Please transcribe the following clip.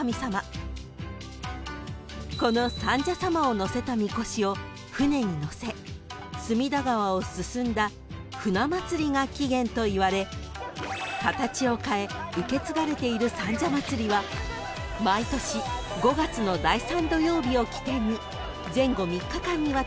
［この三社様を乗せたみこしを舟にのせ隅田川を進んだ舟祭が起源といわれ形を変え受け継がれている三社祭は毎年５月の第３土曜日を基点に前後３日間にわたり行われます］